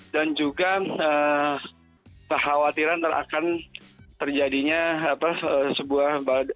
dan juga kekhawatiran akan terjadinya sebuah